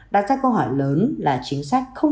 đặt ra câu hỏi lớn là chính sách không